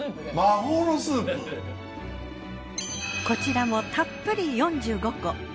こちらもたっぷり４５個。